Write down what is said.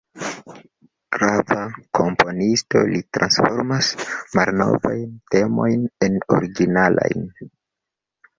Grava komponisto, li transformas malnovajn temojn en originalajn.